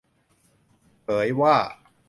เผยว่า